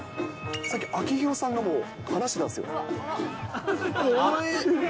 さっき、秋広さんがもう話してたんですよ。